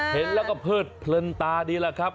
เห็นแล้วก็เพิดเพลินตาดีล่ะครับ